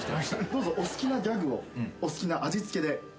どうぞお好きなギャグをお好きな味付けでお申し付けください。